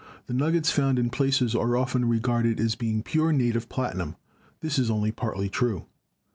The nuggets found in placers are often regarded as being pure native platinum; this is only partly true.